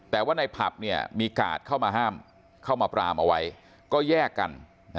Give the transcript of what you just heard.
แต่ว่าในผับมีกาดเข้ามาห้ามเข้ามาปรามเอาไว้ก็แยกกัน